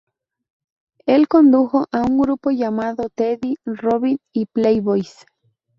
Él condujo a un grupo llamado Teddy Robin y Playboys.